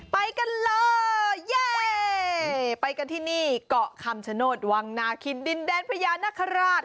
ไปกันเลยเย่ไปกันที่นี่เกาะคำชโนธวังนาคินดินแดนพญานาคาราช